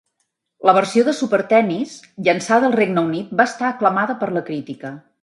La versió de "Super Tennis" llançada al Regne Unit va estar aclamada per la crítica.